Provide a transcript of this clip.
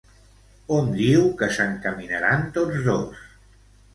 On diu que s'encaminaran tots dos?